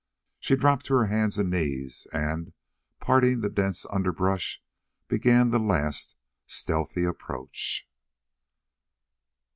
She dropped to her hands and knees and, parting the dense underbrush, began the last stealthy approach.